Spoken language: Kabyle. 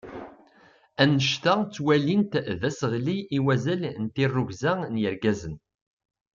Anect-a ttwalin-t d aseɣli i wazal n tirrugza n yigazen.